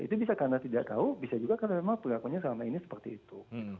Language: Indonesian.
itu bisa karena tidak tahu bisa juga karena memang perilakunya selama ini seperti itu